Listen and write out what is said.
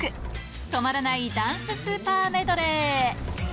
止まらないダンススーパーメドレー。